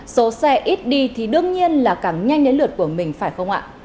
số xe ít đi thì đương nhiên là càng nhanh đến lượt của mình phải không ạ